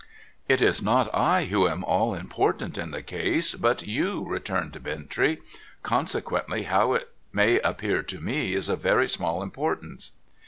' It is not I who am all important in the case, but you,' returned Bintrey. ' Consequently, how it may appear to me is of very small importance.'